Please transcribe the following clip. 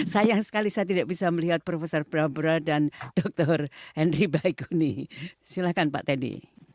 sayang sekali saya tidak bisa melihat profesor barbara dan dr henry baikuni silahkan pak taidi